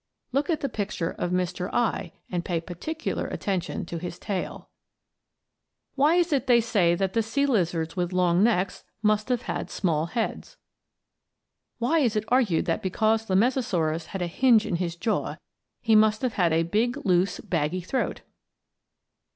(Look at the picture of Mr. I., and pay particular attention to his tail.) Why it is they say that the sea lizards with long necks must have had small heads. Why it is argued that because the Mesosaurus had a hinge in his jaw he must have had a big, loose, baggy throat.